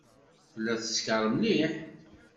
Tella teskeṛ mliḥ.